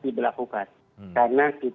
diberlakukan karena kita